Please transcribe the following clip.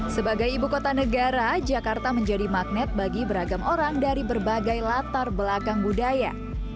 sebagai ibu kota negara jakarta menjadi magnet bagi beragam orang dari berbagai latar belakang budaya